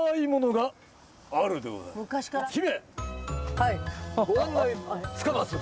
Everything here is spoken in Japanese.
はい。